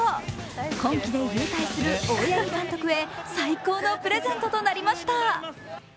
今季で勇退する大八木監督へ最高のプレゼントとなりました。